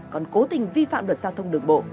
còn cố tình vi phạm luật giao thông đường bộ